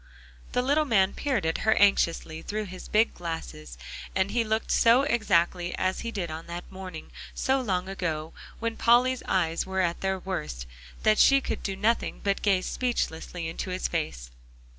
The little man peered at her anxiously through his big glasses, and he looked so exactly as he did on that morning so long ago when Polly's eyes were at their worst, that she could do nothing but gaze speechlessly into his face.